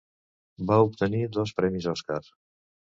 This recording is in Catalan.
Va obtenir dos premis Oscar.